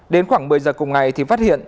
đến khoảng một mươi giờ cùng ngày thì phát hiện